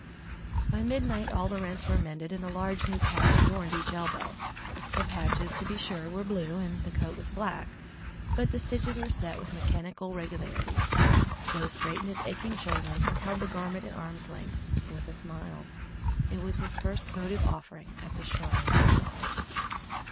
By midnight all the rents were mended and a large new patch adorned each elbow. The patches, to be sure, were blue, and the coat was black, but the stitches were set with mechanical regularity. Joe straightened his aching shoulders and held the garment at arm's length with a smile. It was his first votive offering at the shrine of love.